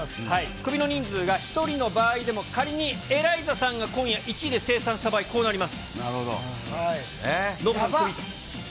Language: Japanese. クビの人数が１人の場合でも、仮にエライザさんが今夜１位で精算した場合、こうなります。